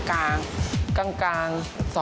กลางกลาง๒๓๔๐๐